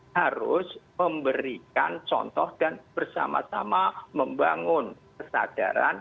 harus memberikan contoh dan bersama sama membangun kesadaran